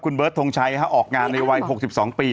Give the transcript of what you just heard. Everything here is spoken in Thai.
คุณเบิร์ดทงชัยออกงานในวัย๖๒ปี